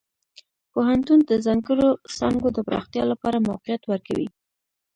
پوهنتون د ځانګړو څانګو د پراختیا لپاره موقعیت ورکوي.